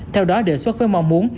theo đó đề xuất với mong muốn